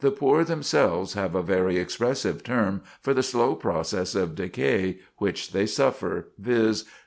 The poor themselves have a very expressive term for the slow process of decay which they suffer, viz.